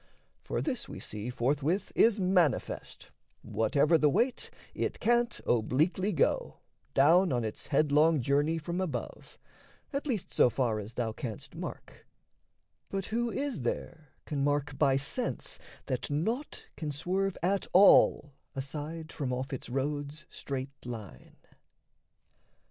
For this we see forthwith is manifest: Whatever the weight, it can't obliquely go, Down on its headlong journey from above, At least so far as thou canst mark; but who Is there can mark by sense that naught can swerve At all aside from off its road's straight line?